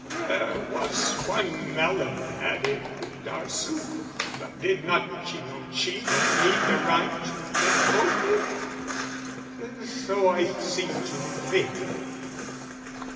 (There was one melon, had improved our soup, But did not Cinoncino need the rind To make a boat with? So I seem to think.)